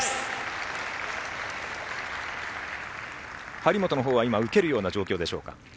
張本の方は受けるような状況でしょうか？